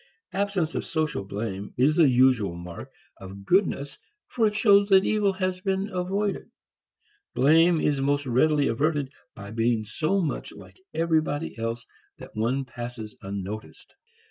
Absence of social blame is the usual mark of goodness for it shows that evil has been avoided. Blame is most readily averted by being so much like everybody else that one passes unnoticed.